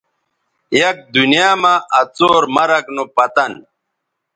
یک دنیاں مہ آ څور مرگ نو پتن